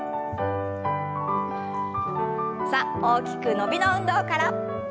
さあ大きく伸びの運動から。